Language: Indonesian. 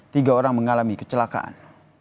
tiga orang mengalami kecelakaan